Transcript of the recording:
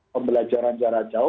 pembelajaran jarak jauh